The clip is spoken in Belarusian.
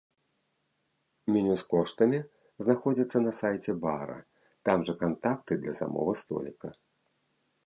Меню з коштамі знаходзіцца на сайце бара, там жа кантакты для замовы століка.